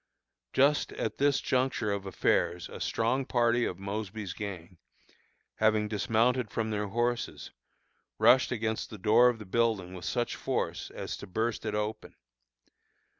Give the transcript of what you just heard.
Just at this juncture of affairs a strong party of Mosby's gang, having dismounted from their horses, rushed against the door of the building with such force as to burst it open.